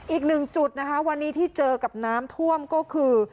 อีกหนึ่งจุดนะคะวันนี้ที่เจอกับน้ำท่วมก็คือ